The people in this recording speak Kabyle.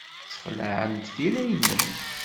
Ssexlaɛent tira-nnem.